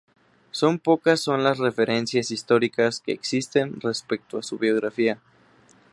Son pocas son las referencias históricas que existen respecto a su biografía.